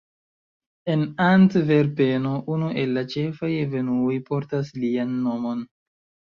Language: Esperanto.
En Antverpeno unu el la ĉefaj avenuoj portas lian nomon.